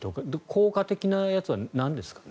効果的なやつはなんですか？